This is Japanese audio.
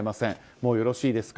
もうよろしいですか？